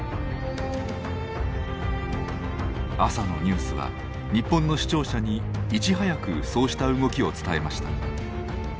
朝のニュースは日本の視聴者にいち早くそうした動きを伝えました。